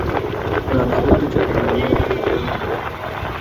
না, তা বলতে চাচ্ছি না, মহাকাশের চেয়ে অন্তত ভালো।